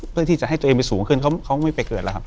เพื่อที่จะให้ตัวเองไปสูงขึ้นเขาไม่ไปเกิดแล้วครับ